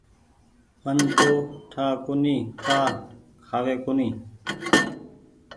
من تو ٺآ ڪونيٚ ڪآ کآوي ڪونيٚ۔